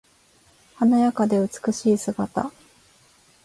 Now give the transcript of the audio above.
華やかで美しい姿。